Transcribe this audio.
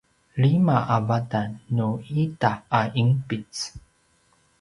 lima a vatan nu ita a ’inpic